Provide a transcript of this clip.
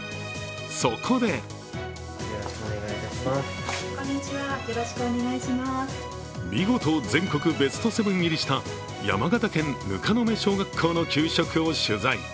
そこで見事全国ベスト７入りした山形県糠野目小学校の給食を取材。